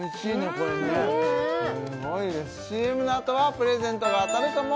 これねすごいですＣＭの後はプレゼントが当たるかも？